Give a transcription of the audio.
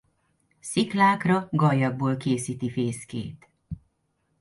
Sziklákra gallyakból készíti fészkét.